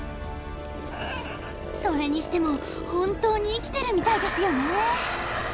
それにしても本当に生きてるみたいですよね